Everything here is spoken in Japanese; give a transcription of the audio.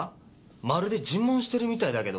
まるで尋問してるみたいだけど。